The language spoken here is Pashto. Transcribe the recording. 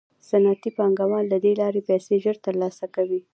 صنعتي پانګوال له دې لارې پیسې ژر ترلاسه کوي